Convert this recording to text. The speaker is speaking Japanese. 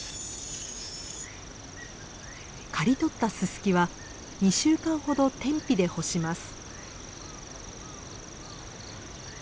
刈り取ったススキは２週間ほど天日で干します。